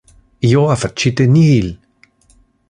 Io ha facite nihil.